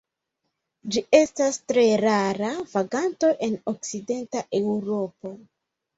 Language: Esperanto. Ĝi estas tre rara vaganto en okcidenta Eŭropo.